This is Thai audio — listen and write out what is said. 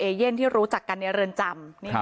เย่นที่รู้จักกันในเรือนจำ